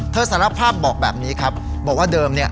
สารภาพบอกแบบนี้ครับบอกว่าเดิมเนี่ย